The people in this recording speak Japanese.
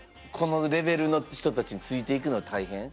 このレベルの人たちについていくの大変？